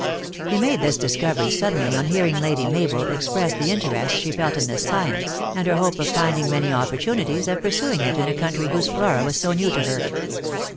He made this discovery suddenly on hearing Lady Mabel express the interest she felt in this science, and her hope of finding many opportunities of pursuing it in a country whose Flora was so new^ to her.